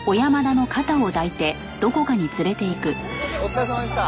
お疲れさまでした。